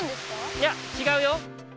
いやちがうよ。